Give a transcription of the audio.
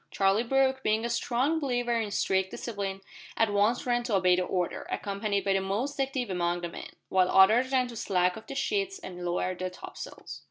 Charlie Brooke, being a strong believer in strict discipline, at once ran to obey the order, accompanied by the most active among the men, while others ran to slack off the sheets and lower the topsails.